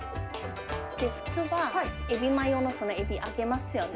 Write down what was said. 普通はエビマヨのエビ揚げますよね。